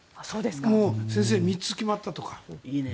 もう先生、３つ決まったとか。